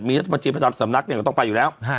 มีรัฐมนตรีประจำสำนักเนี่ยก็ต้องไปอยู่แล้ว